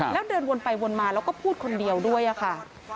แล้วเดินวนไปวนมาแล้วก็พูดคนเดียวด้วยค่ะ